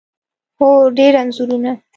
هو، ډیر انځورونه